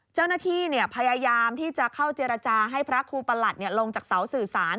เจ้าหน้าที่พยายามที่จะเข้าเจรจาให้พระครูประหลัดลงจากเสาสื่อสาร